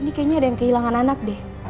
ini kayaknya ada yang kehilangan anak deh